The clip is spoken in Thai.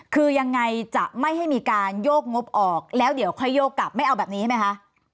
คือยังไงจะไม่ให้มีการโยกงบออกแล้วเดี๋ยวค่อยโยกกลับไม่เอาแบบนี้ใช่ไหมคะ